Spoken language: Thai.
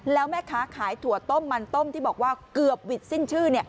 แล้วแม่ค้าขายถั่วต้มมันต้มที่บอกว่าเกือบวิทย์สิ้นชื่อ